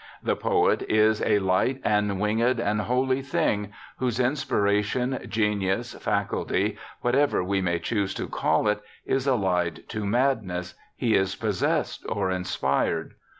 The poet is a ' hght and winged and holy thing', whose inspiration, genius, faculty, whatever we may choose to call it, is allied to madness — he is possessed or inspired.